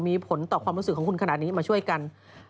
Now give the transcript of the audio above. มีผลต่อความรู้สึกของคุณขนาดนี้มาช่วยกัน